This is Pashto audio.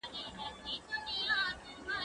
که وخت وي، لوبي کوم؟!